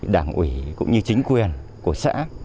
đảng ủy cũng như chính quyền của xã